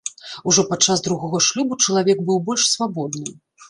Ужо падчас другога шлюбу чалавек быў больш свабодны.